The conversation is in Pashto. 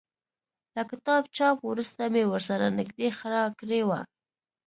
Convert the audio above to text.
له کتاب چاپ وروسته مې ورسره نږدې خړه کړې وه.